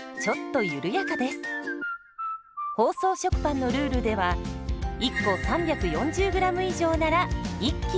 包装食パンのルールでは１個３４０ｇ以上なら１斤。